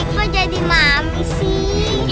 kok jadi mami sih